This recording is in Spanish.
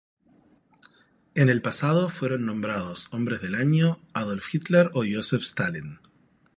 En el pasado fueron nombrados hombres del año Adolf Hitler o Iósif Stalin.